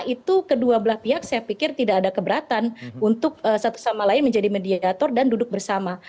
itu kedua belah pihak saya pikir tidak ada keberatan untuk satu sama lain menjadi mediator dan duduk bersama